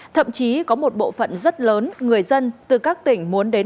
thậm chí có một bộ phận rất lớn người dân từ các tỉnh muốn đến